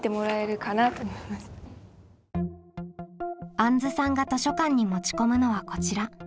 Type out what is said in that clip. あんずさんが図書館に持ち込むのはこちら。